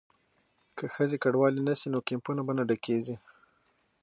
که ښځې کډوالې نه شي نو کیمپونه به نه ډکیږي.